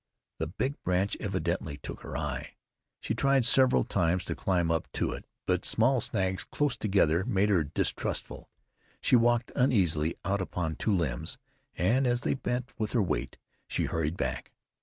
The big branch evidently took her eye. She tried several times to climb up to it, but small snags close together made her distrustful. She walked uneasily out upon two limbs, and as they bent with her weight she hurried back.